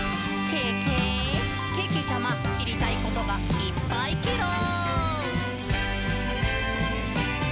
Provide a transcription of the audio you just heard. けけちゃま、しりたいことがいっぱいケロ！」